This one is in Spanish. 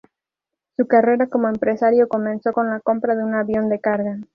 Su carrera como empresario comenzó con la compra de un avión de carga.